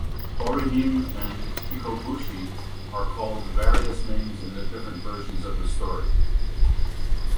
"Orihime" and "Hikoboshi" are called various names in the different versions of the story.